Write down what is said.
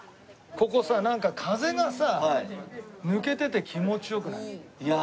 ここさなんか風がさ抜けてて気持ち良くない？いや。